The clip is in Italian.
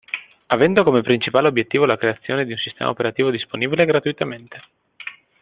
Avendo come principale obiettivo la creazione di un sistema operativo disponibile gratuitamente.